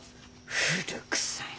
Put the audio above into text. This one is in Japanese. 古くさいな。